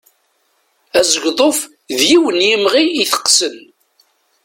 Azegḍuf d yiwen n yimɣi iteqsen.